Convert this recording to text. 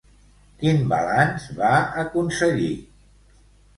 Quin balanç va aconseguir?